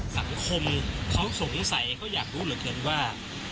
สังคมเขาสงสัยเขาอยากรู้เหลือเกินว่า